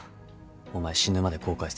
お前死ぬまで後悔する。